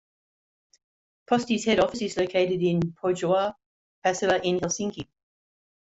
Posti's head office is located in Pohjois-Pasila in Helsinki.